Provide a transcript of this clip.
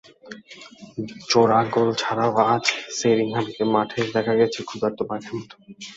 জোড়া গোল ছাড়াও আজ শেরিংহামকে মাঠে দেখা গেছে ক্ষুধার্ত বাঘের মতো।